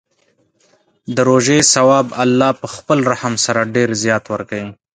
د روژې ثواب الله په خپل رحم سره ډېر زیات ورکوي.